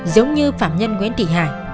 giống như phạm nhân nguyễn thị hải